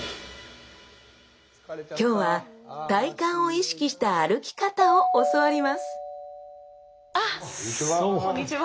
今日は体幹を意識した歩き方を教わりますどうも。